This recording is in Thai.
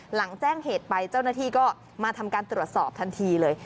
หลังแจ้งเหตุไปเจ้าหน้าที่ก็มาทำการตรวจสอบทันทีเลย